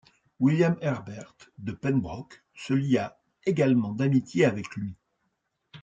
William Herbert, de Pembroke, se lia également d'amitié avec lui.